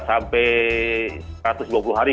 sampai satu ratus dua puluh hari